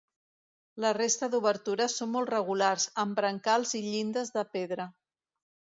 La resta d'obertures són molt regulars, amb brancals i llindes de pedra.